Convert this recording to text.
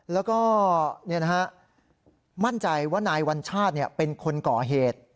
แล้วก็มั่นใจว่านายวัญชาติเป็นคนก่อเหตุ